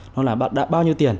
nó là bao nhiêu tiền